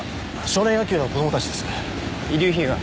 少年野球の子供たちです遺留品は？